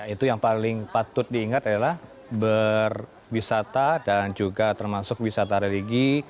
itu yang paling patut diingat adalah berwisata dan juga termasuk wisata religi